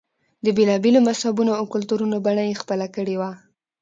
د بېلا بېلو مذهبونو او کلتورونو بڼه یې خپله کړې وه.